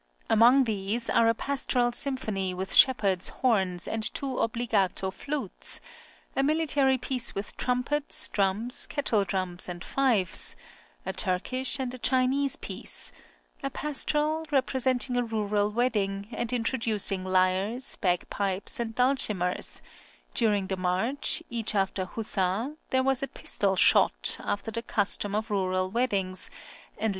Among these are a pastoral symphony with shepherds' horns and two obbligato flutes; a military piece with trumpets, drums, kettle drums, and fifes; a Turkish and a Chinese piece; a pastoral, representing a rural wedding, and introducing lyres, bagpipes, and dulcimers; during the march, after each huzza, there was a pistol shot, after the custom of rural weddings, and L.